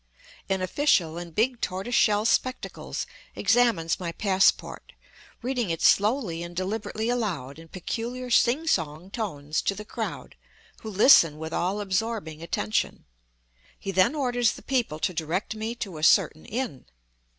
An official in big tortoise shell spectacles examines my passport, reading it slowly and deliberately aloud in peculiar sing song tones to the crowd, who listen with all absorbing attention. He then orders the people to direct me to a certain inn.